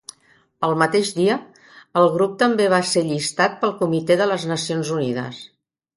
El mateix dia, el grup també va ser llistat pel Comitè de les Nacions Unides.